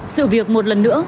sự việc một lần nữa